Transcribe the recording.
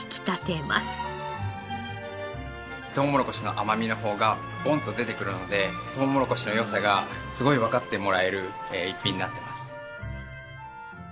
とうもろこしの甘みの方がボンと出てくるのでとうもろこしの良さがすごいわかってもらえる一品になってます。